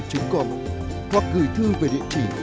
hoặc gửi thư về địa chỉ